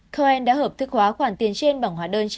cohen đã hợp thức hóa khoản tiền trên bảng hóa đơn